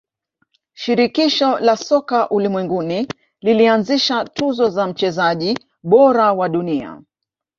shirikisho la soka ulimwenguni lilianzisha tuzo za mchezaji bora wa dunia